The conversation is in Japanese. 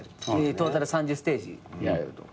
トータル３０ステージやると。